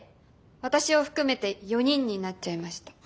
私を含めて４人になっちゃいました。